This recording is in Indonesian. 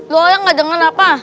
lu orang ga denger apa